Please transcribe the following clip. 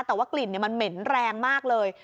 แต่ว่ากลิ่นมันเหม็นแรงมากเลย